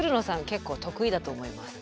結構得意だと思います。